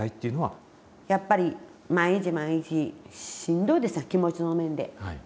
やっぱり毎日毎日しんどいですやん気持ちの面で。